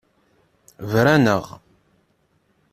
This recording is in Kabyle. Bran-aɣ.